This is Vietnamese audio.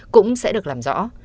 cũng sẽ được làm rõ